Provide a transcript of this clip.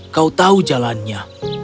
kau tahu jalannya